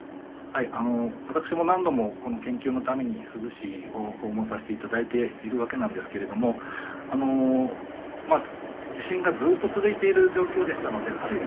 私も何度もこの研究のために珠洲市を訪問させていただいているわけですが地震がずっと続いている状況でしたのである意味